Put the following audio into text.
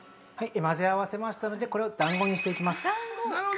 混ぜ合わせましたのでこれをだんごにしていきます。